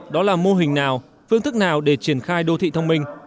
đó là mô hình nào phương thức nào để triển khai đô thị thông minh